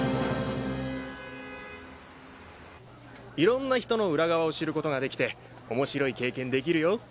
いろんな人の裏側を知ることができて面白い経験できるよ。